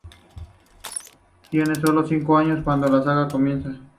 Tiene sólo cinco años cuando la saga comienza.